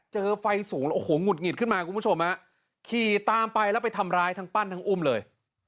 เจอไฟสูงโอ้โหหงุดหงิดขึ้นมาคุณผู้ชมฮะขี่ตามไปแล้วไปทำร้ายทั้งปั้นทั้งอุ้มเลย